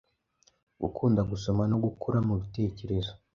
gukunda gusoma no gukura mu bitekerezo.